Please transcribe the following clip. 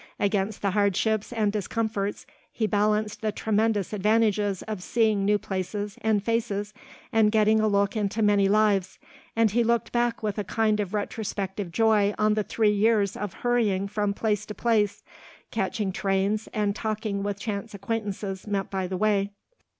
Against the hardships and discomforts he balanced the tremendous advantages of seeing new places and faces and getting a look into many lives, and he looked back with a kind of retrospective joy on the three years of hurrying from place to place, catching trains, and talking with chance acquaintances met by the way.